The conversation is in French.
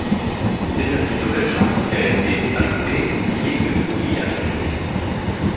C'est à cette occasion qu'a été ajouté le billet de ouguiyas.